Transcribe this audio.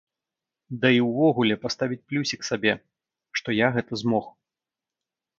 Да і ўвогуле паставіць плюсік сабе, што я гэта змог.